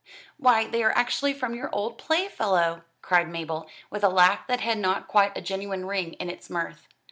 "Why, they are actually from your old playfellow!" cried Mabel, with a laugh that had not quite a genuine ring in its mirth.